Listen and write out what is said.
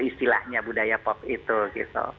istilahnya budaya pop itu gitu